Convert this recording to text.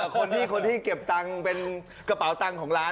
คนที่เก็บตังเป็นกระเป๋าตังของร้าน